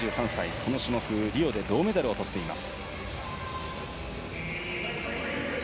この種目リオで銅メダルをとっています。